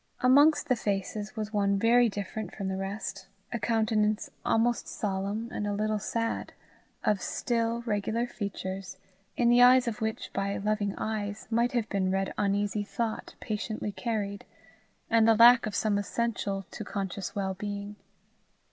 Amongst the faces was one very different from the rest, a countenance almost solemn and a little sad, of still, regular features, in the eyes of which by loving eyes might have been read uneasy thought patiently carried, and the lack of some essential to conscious well being.